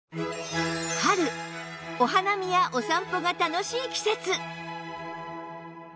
お花見やお散歩が楽しい季節